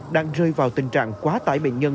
đang rơi vào tình trạng quá tải bệnh nhân